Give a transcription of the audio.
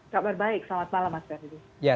kabar baik selamat malam mas ferdi